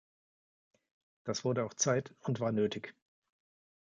Das wurde auch Zeit und war nötig.